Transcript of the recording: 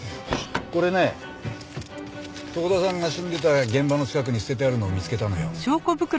これね遠田さんが死んでた現場の近くに捨ててあるのを見つけたんだよ。